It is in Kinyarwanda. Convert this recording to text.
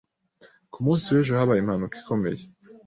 Ku munsi w'ejo habaye impanuka ikomeye.